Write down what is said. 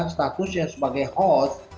statusnya sebagai host